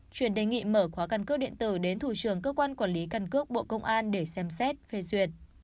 chuyển đề nghị mở khóa cân cước điện tử đến thủ trường cơ quan quản lý cân cước bộ công an để xem xét phê duyệt